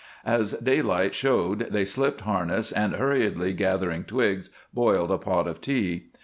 As daylight showed they slipped harness and, hurriedly gathering twigs, boiled a pot of tea.